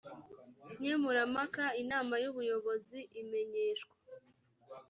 nkemurampaka inama y ubuyobozi imenyeshwa